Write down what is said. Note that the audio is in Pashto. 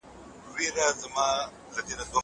زه پرون تمرين کوم!!